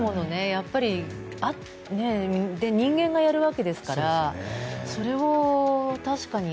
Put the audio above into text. やっぱり人間がやるわけですからそれは確かに。